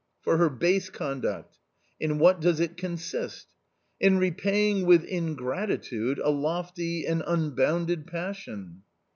" For her base conduct." " In what does it consist?" "In repaying with ingratitude a lofty, an unbounded passion."